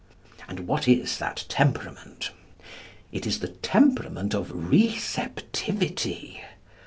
And what is that temperament? It is the temperament of receptivity.